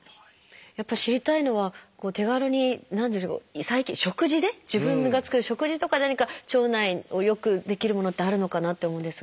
やっぱり知りたいのは手軽に食事で自分が作る食事とかで何か腸内を良くできるものってあるのかなって思うんですが。